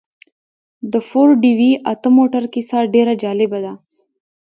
د فورډ وي اته موټر کيسه ډېره جالبه ده.